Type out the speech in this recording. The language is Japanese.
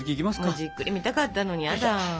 もうじっくり見たかったのにやだ。